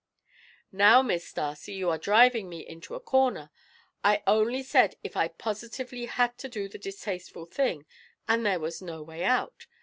"Now, Miss Darcy, you are driving me into a corner. I only said if I positively had to do the distasteful thing and there was no way out.